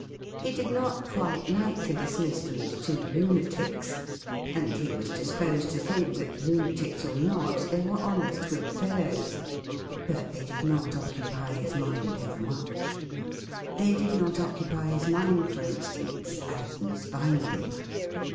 He did not quite like to dismiss them as two lunatics — and he was disposed to think that, lunatics or not, they were honest good fellows. But they did not occupy his mind overmuch. They did not occupy his mind, for instance, as Miss Vine did.